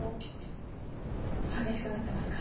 激しくなってますか。